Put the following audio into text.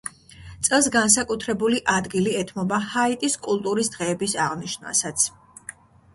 წელს განსაკუთრებული ადგილი ეთმობა ჰაიტის კულტურის დღეების აღნიშვნასაც.